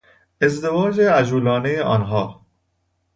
ازدواج عجولانهی آنها